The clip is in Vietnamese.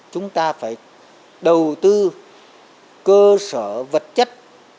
chúng ta phải đầu tư cơ sở vật chất